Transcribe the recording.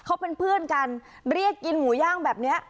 เขาเป็นเพื่อนกันเรียกกินหมูย่างแบบนี้